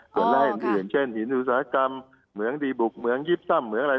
ส่วนแรกอื่นเช่นหินอุตสาหกรรมเหมืองดีบุกเหมืองยิบซ่ำเหมืองอะไร